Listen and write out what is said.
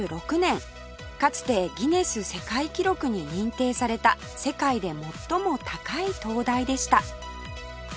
かつてギネス世界記録に認定された世界で最も高い灯台でした